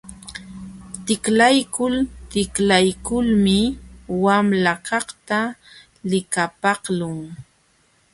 Tiklaykul tiklaykulmi wamlakaqta likapaqlun.